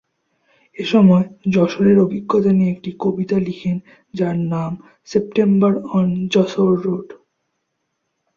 এসময় যশোরের অভিজ্ঞতা নিয়ে একটি কবিতা লিখেন যার নাম সেপ্টেম্বর অন যশোর রোড।